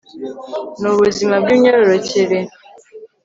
n ubuzima bw imyororokere